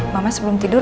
mama sebelum tidur